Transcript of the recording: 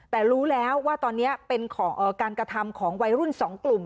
แต่รู้แล้วว่าตอนนี้เป็นการกระทำของวัยรุ่น๒กลุ่ม